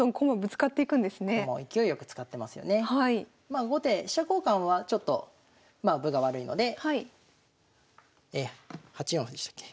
まあ後手飛車交換はちょっとまあ分が悪いので８四歩でしたっけ。